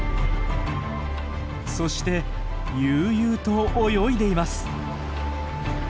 そして悠々と泳いでいます。